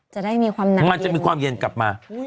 จะได้มีความหนาวมันจะมีความเย็นกลับมา